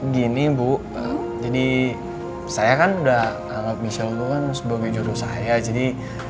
gini bu jadi saya kan udah anggap michelle gue sebagai juru saya jadi